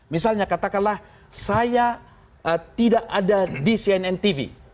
misalnya katakanlah saya tidak ada di cnn tv